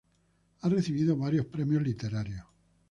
Ha recibido varios premios literarios.